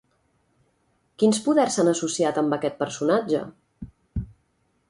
Quins poders s'han associat amb aquest personatge?